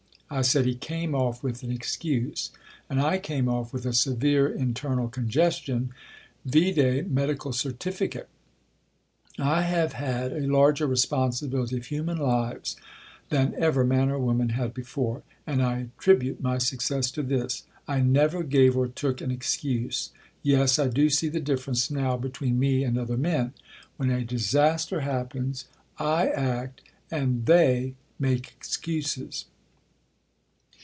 I said he came off with an excuse. And I came off with a "severe internal congestion," vide Medical Certificate. I have had a larger responsibility of human lives than ever man or woman had before. And I attribute my success to this: I never gave or took an excuse. Yes, I do see the difference now between me and other men. When a disaster happens, I act and they make excuses.